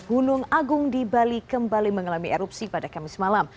gunung agung di bali kembali mengalami erupsi pada kamis malam